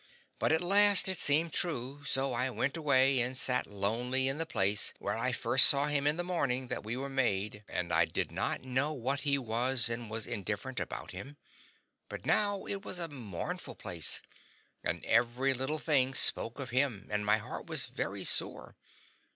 But at last it seemed true, so I went away and sat lonely in the place where I first saw him the morning that we were made and I did not know what he was and was indifferent about him; but now it was a mournful place, and every little thing spoke of him, and my heart was very sore.